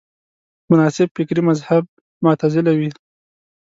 مناسب فکري مذهب معتزله وه